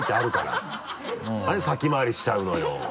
なんで先回りしちゃうのよ。